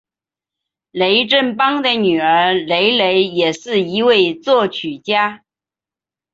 雷振邦的女儿雷蕾也是一位作曲家。